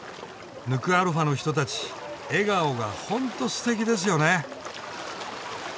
ヌクアロファの人たち笑顔がほんとすてきですよね。